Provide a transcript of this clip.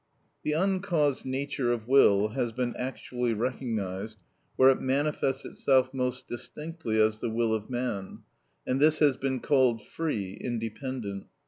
The uncaused nature of will has been actually recognised, where it manifests itself most distinctly, as the will of man, and this has been called free, independent.